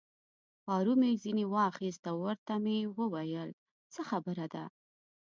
پارو مې ځینې واخیست او ورته مې وویل: څه خبره ده؟